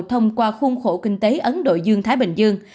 thông qua khung khổ kinh tế ấn độ dương thái bình dương